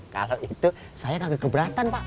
kalo itu saya gak keberatan pak